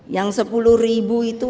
yang sepuluh ribu itu